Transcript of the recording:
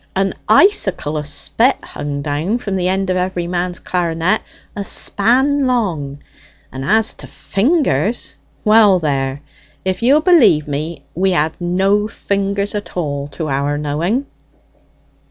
An icicle o' spet hung down from the end of every man's clar'net a span long; and as to fingers well, there, if ye'll believe me, we had no fingers at all, to our knowing."